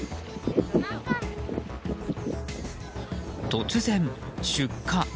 突然、出火。